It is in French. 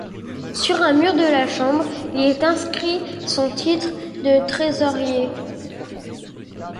Sur un mur de la chambre, il est inscrit son titre de trésorier.